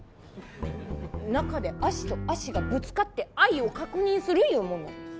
中で足と足がぶつかって愛を確認するいうもんなんです。